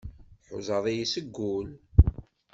Tḥuzaḍ-iyi deg wul.